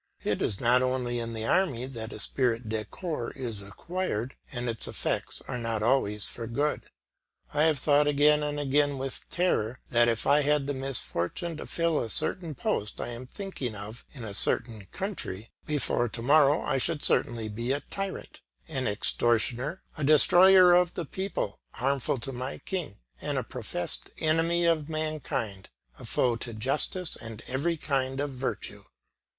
It is not only in the army that esprit de corps is acquired, and its effects are not always for good. I have thought again and again with terror that if I had the misfortune to fill a certain post I am thinking of in a certain country, before to morrow I should certainly be a tyrant, an extortioner, a destroyer of the people, harmful to my king, and a professed enemy of mankind, a foe to justice and every kind of virtue.